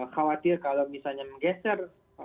khawatir kalau misalnya menggeser